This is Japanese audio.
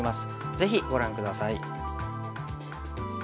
ぜひご覧下さい。